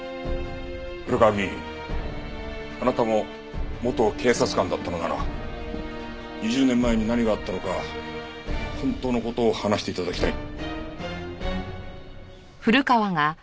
古河議員あなたも元警察官だったのなら２０年前に何があったのか本当の事を話して頂きたい。